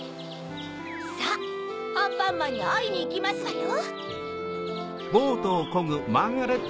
さぁアンパンマンにあいにいきますわよ！